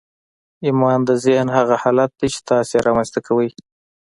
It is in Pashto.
ايمان د ذهن هغه حالت دی چې تاسې يې رامنځته کوئ.